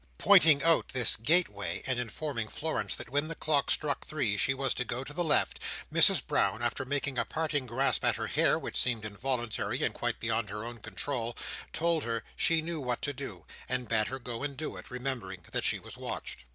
Pointing out this gateway, and informing Florence that when the clocks struck three she was to go to the left, Mrs Brown, after making a parting grasp at her hair which seemed involuntary and quite beyond her own control, told her she knew what to do, and bade her go and do it: remembering that she was watched.